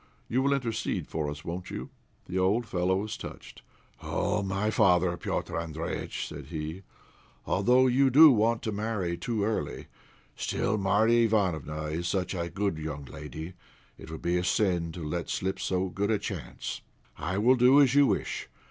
You will intercede for us, won't you?" The old fellow was touched. "Oh! my father, Petr' Andréjïtch," said he, "although you do want to marry too early, still Marya Ivánofna is such a good young lady it would be a sin to let slip so good a chance. I will do as you wish.